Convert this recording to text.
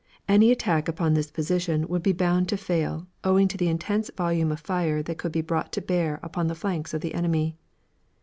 Any attack upon this position would be bound to fail, owing to the intense volume of fire that could be brought to bear upon the flanks of the enemy.